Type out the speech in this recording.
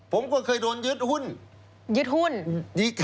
ผมก็เคยโดนยึดหุ้นยึดหุ้น